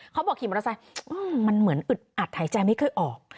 ขี่มอเตอร์ไซค์มันเหมือนอึดอัดหายใจไม่ค่อยออก